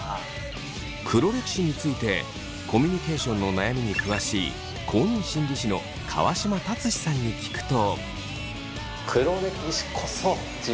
黒歴史についてコミュニケーションの悩みに詳しい公認心理師の川島達史さんに聞くと。